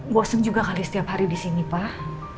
bosen juga kali setiap hari di sini pak